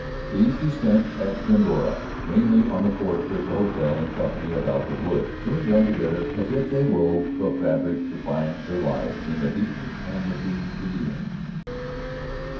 These he spent at Glendora, mainly on the porch of the hotel in company of Alta Wood, chewing gum together as if they wove a fabric to bind their lives in adhesive amity to the end.